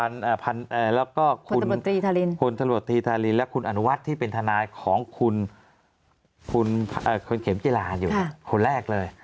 แล้วก็คุณตำรวจตีธารินและคุณอนุวัฒน์ที่เป็นทนายของคุณเข็มจิลาอยู่คนแรกเลย